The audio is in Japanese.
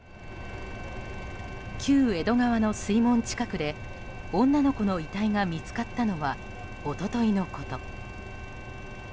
旧江戸川の水門近くで女の子の遺体が見つかったのは一昨日のこと。